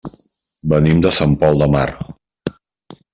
Venim de Sant Pol de Mar.